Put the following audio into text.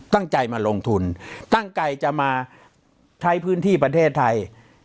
ตั้งใจมาลงทุนตั้งใจจะมาใช้พื้นที่ประเทศไทย